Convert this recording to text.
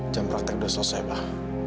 jam praktek udah selesai pak